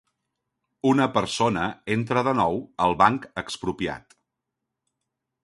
Una persona entra de nou al Banc Expropiat.